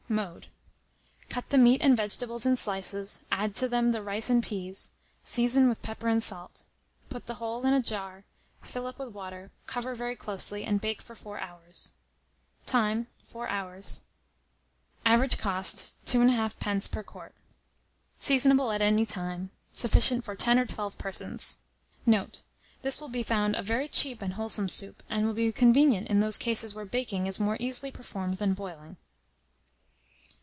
Mode. Cut the meat and vegetables in slices, add to them the rice and peas, season with pepper and salt. Put the whole in a jar, fill up with the water, cover very closely, and bake for 4 hours. Time. 4 hours. Average cost, 2 1/2d. per quart. Seasonable at any time. Sufficient for 10 or 12 persons. Note. This will be found a very cheap and wholesome soup, and will be convenient in those cases where baking is more easily performed than boiling.